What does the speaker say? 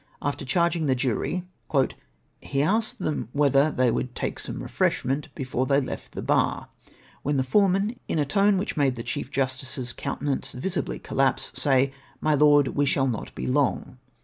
After charging the jury, "He asked them whether they would take some refresh ment before they left the bar, when the foreman, in a tone which made the Chief Justice^ s countenance visibly collapse, said, 'My Lord, we shall not be long.'